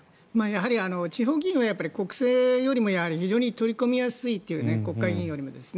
やはり地方議員は国政よりも非常に取り込みやすいという国会議員よりも。